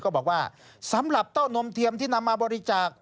ก็บอกว่าสำหรับเต้านมเทียมที่นำมาบริจาค